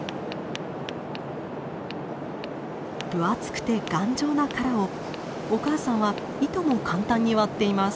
分厚くて頑丈な殻をお母さんはいとも簡単に割っています。